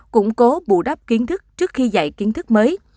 củng cố bù đắp kiến thức trước khi dạy kiến thức mới